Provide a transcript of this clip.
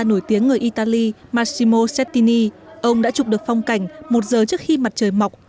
của người italy massimo settini ông đã chụp được phong cảnh một giờ trước khi mặt trời mọc